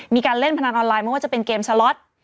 มีการเล่นพนันออนไลน์ไม่ว่าจะเป็นเกมสล็อต